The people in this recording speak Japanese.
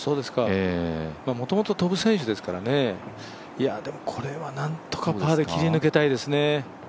もともと飛ぶ選手ですからね、でも、これは何とかパーで切り抜けたいですね。